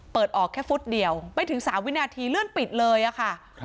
เปิดออกแค่ฟุตเดียวไม่ถึง๓วินาทีเลื่อนปิดเลยอะค่ะ